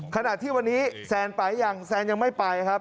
ขณะที่วันนี้แซนไปยังแซนยังไม่ไปครับ